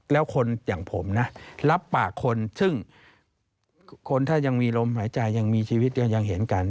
แล้วคนอย่างผมนะรับปากคนซึ่งคนถ้ายังมีลมหายใจยังมีชีวิตก็ยังเห็นกัน